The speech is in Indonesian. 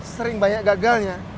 sering banyak gagalnya